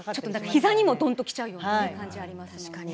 ひざにもドンときちゃうようなね感じありますもんね。